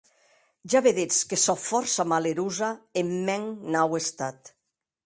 Ja vedetz que sò fòrça malerosa en mèn nau estat.